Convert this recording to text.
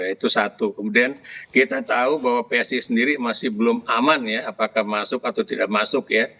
itu satu kemudian kita tahu bahwa psi sendiri masih belum aman ya apakah masuk atau tidak masuk ya